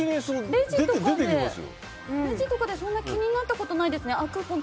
レジとかでそんな気になったことないですね。